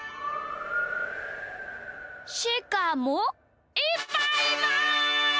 しかもいっぱいいます！